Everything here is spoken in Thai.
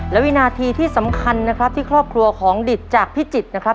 และวินาทีที่สำคัญนะครับที่ครอบครัวของดิตจากพิจิตรนะครับ